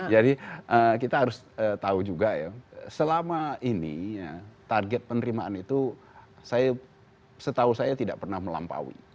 jadi kita harus tahu juga ya selama ini target penerimaan itu setahu saya tidak pernah melampaui